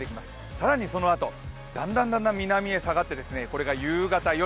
更にそのあと、だんだん、だんだん南へ下がって、これが夕方、夜。